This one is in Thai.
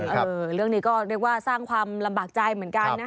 เรื่องนี้ก็เรียกว่าสร้างความลำบากใจเหมือนกันนะ